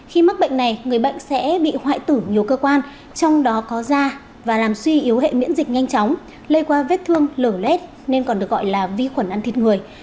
khi mắc bệnh này người bệnh sẽ bị hoại tử nhiều cơ quan trong đó có da và làm suy yếu hệ miễn dịch nhanh chóng lây qua vết thương lở lét nên còn được gọi là vi khuẩn ăn thịt người